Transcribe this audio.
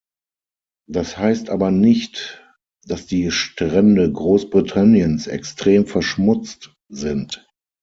Das heißt aber nicht, dass die Strände Großbritanniens extrem verschmutzt sind.